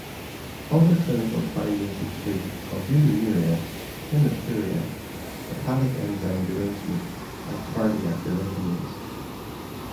Other clinical findings include albuminuria, hematuria, hepatic enzyme derangement, and cardiac arrhythmias.